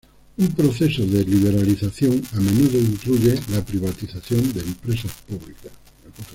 Un proceso de liberalización a menudo incluye la privatización de empresas públicas.